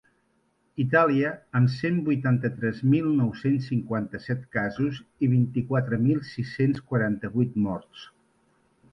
Itàlia, amb cent vuitanta-tres mil nou-cents cinquanta-set casos i vint-i-quatre mil sis-cents quaranta-vuit morts.